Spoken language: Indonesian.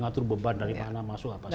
ngatur beban dari mana masuk apa saja